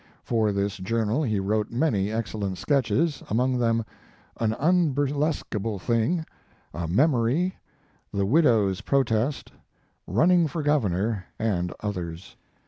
For this journal he wrote many excellent sketches, among them "An Unburlesqueable Thing," "A Memory," "The Widow s Protest," "Running for Governor" and others.